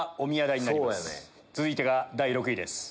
続いてが第６位です。